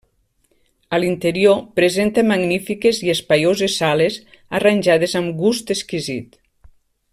A l'interior presenta magnífiques i espaioses sales arranjades amb gust exquisit.